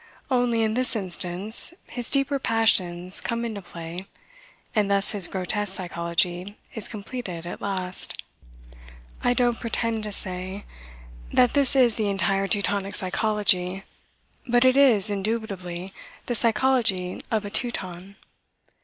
Only, in this instance, his deeper passions come into play, and thus his grotesque psychology is completed at last. I don't pretend to say that this is the entire Teutonic psychology; but it is indubitably the psychology of a Teuton.